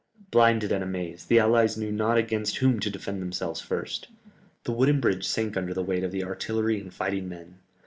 Blinded and amazed, the allies knew not against whom to defend themselves first. The wooden bridge sank under the weight of the artillery and fighting men.